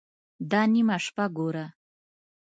_دا نيمه شپه ګوره!